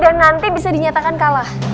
dan nanti bisa dinyatakan kalah